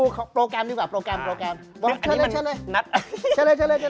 เชิญเลย